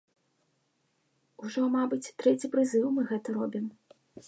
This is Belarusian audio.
Ужо мабыць трэці прызыў мы гэта робім.